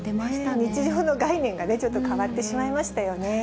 日常の概念がちょっと変わってしまいましたよね。